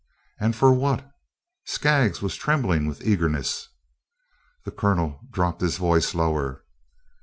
"And for what?" Skaggs was trembling with eagerness. The Colonel dropped his voice lower.